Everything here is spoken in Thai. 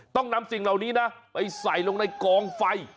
ต้องนำสิ่งเหล่านี้นะไปใส่ลงในกองไฟ